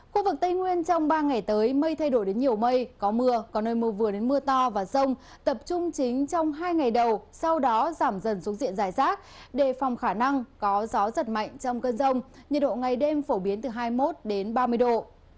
khu vực tây nguyên trong ba ngày tới mây thay đổi đến nhiều mây có mưa có nơi mưa vừa đến mưa to và rông tập trung chính trong hai ngày đầu sau đó giảm dần xuống diện dài rác đề phòng khả năng có gió giật mạnh trong cơn rông nhiệt độ ngày đêm phổ biến từ hai mươi một đến ba mươi độ